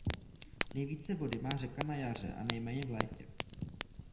Nejvíce vody má řeka na jaře a nejméně v létě.